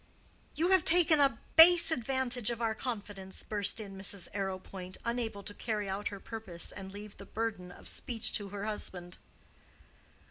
"You have taken a base advantage of our confidence," burst in Mrs. Arrowpoint, unable to carry out her purpose and leave the burden of speech to her husband.